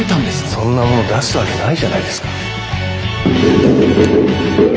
そんなもの出すわけないじゃないですか。